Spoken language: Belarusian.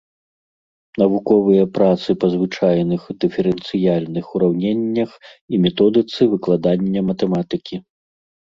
Навуковыя працы па звычайных дыферэнцыяльных ураўненнях і методыцы выкладання матэматыкі.